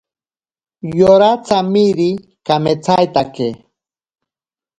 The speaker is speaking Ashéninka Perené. Yora tsamiri kametsaitake.